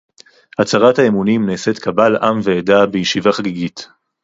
הצהרת האמונים נעשית קבל עם ועדה בישיבה חגיגית